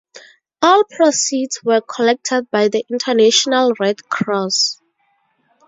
All proceeds were collected by the International Red Cross.